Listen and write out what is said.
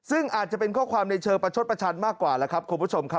ซึ่งอาจจะเป็นข้อความในเชิงประชดประชันมากกว่าแล้วครับคุณผู้ชมครับ